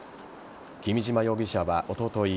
君島容疑者はおととい